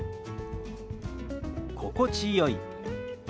「心地よい」。